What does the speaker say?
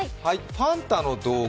ファンタの動画